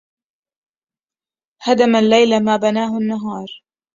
هدم الليل ما بناه النهار